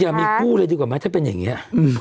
อย่ามีคู่เลยดีกว่าไหมถ้าเป็นอย่างนี้